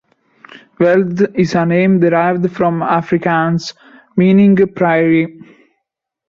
Veldt is a name derived from Afrikaans, meaning "prairie".